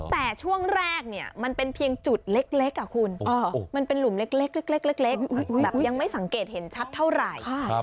แต่ช่วงแรกเนี่ยมันเป็นเพียงจุดเล็กคุณมันเป็นหลุมเล็กแบบยังไม่สังเกตเห็นชัดเท่าไหร่